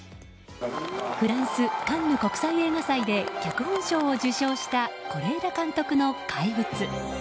フランスカンヌ国際映画祭で脚本賞を受賞した是枝監督の「怪物」。